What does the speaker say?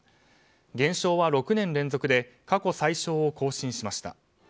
減少は６年連続で過去最少を更新しました。